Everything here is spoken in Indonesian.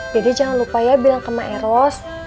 dede jangan lupa ya bilang ke ma eros